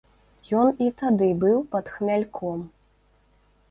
Ён і тады быў пад хмяльком.